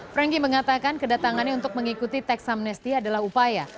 frankie mengatakan kedatangannya untuk mengikuti teksamnesti adalah upaya